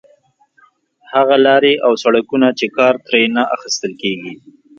هغه لارې او سړکونه چې کار ترې نه اخیستل کېږي.